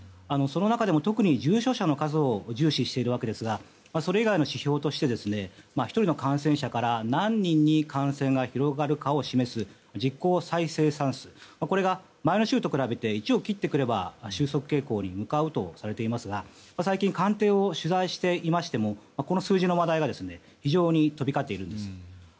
その中でも特に重症者を重要視しているんですがそれ以外の指標として１人の感染者から何人に感染が広がるかを示す実効再生産数が前の週と比べて１を切ってくれば収束傾向に向かうとされていますが、最近官邸を取材していてもこの数字の話題が非常に飛び交っています。